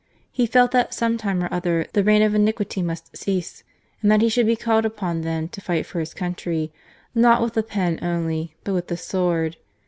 He felt that some time or other the reign of iniquity must cease and that he should be called upon then to fight for his country, not with the pen only but with the sword.